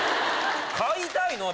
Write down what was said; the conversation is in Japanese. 買いたいの！